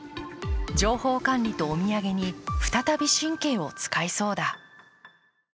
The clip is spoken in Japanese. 情報管理とお土産に再び神経を使いそうだ。